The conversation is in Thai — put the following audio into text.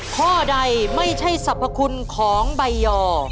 ข้อใดไม่ใช่สรรพคุณของใบยอ